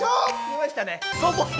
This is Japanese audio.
きましたね。